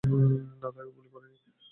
না, তাকে গুলি করিনি।